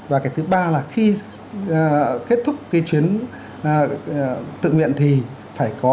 và cái thứ ba là khi kết thúc cái chuyến tự nguyện thì phải có cái tài khoản đóng góp